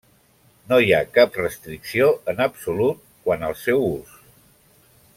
No hi ha cap restricció en absolut quant al seu ús.